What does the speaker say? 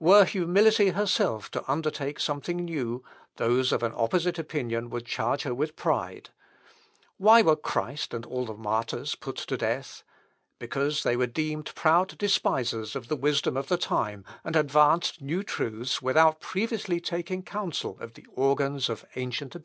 Were humility herself to undertake something new, those of an opposite opinion would charge her with pride. Why were Christ and all the martyrs put to death? Because they were deemed proud despisers of the wisdom of the time, and advanced new truths without previously taking counsel of the organs of ancient opinion."